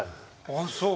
ああそう。